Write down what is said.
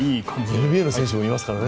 ＮＢＡの選手もいますからね。